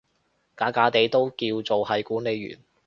假假地都叫做係管理員